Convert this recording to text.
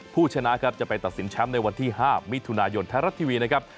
ผู้ชนะครับจะไปตัดสินแชมป์ในวันที่๕มิถุนายนไทยรัฐทีวีนะครับ